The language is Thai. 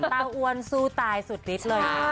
ตาอวนสู้ตายสุดฤทธิ์เลยนะคะ